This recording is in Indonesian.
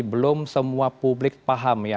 belum semua publik paham